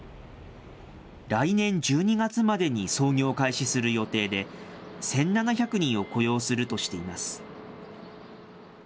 来年１２月までに操業を開始する予定で、１７００人を雇用するとしています。